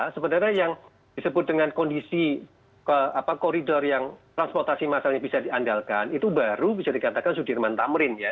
sebenarnya yang disebut dengan kondisi koridor yang transportasi masalnya bisa diandalkan itu baru bisa dikatakan sudirman tamrin ya